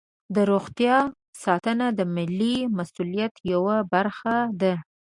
د روغتیا ساتنه د ملي مسؤلیت یوه برخه ده.